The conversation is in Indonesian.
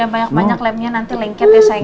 banyak banyak lemnya nanti lengket ya saya